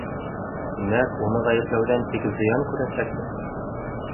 Тимәк, уны ғәйепләүҙән тик зыян күрәсәкбеҙ.